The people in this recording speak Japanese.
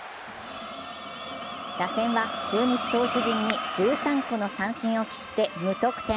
打線は中日投手陣に１３個の三振を喫して無得点。